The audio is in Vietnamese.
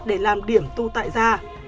để làm điểm tu tại gia